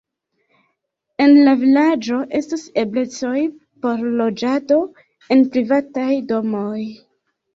En la vilaĝo estas eblecoj por loĝado en privataj domoj.